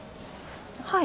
はい。